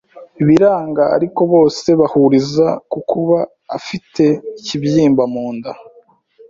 biranga ariko bose bahuriza ku kuba afite ikibyimba munda